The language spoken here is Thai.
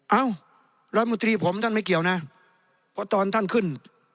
เอ้ารัฐมนตรีผมท่านไม่เกี่ยวนะเพราะตอนท่านขึ้น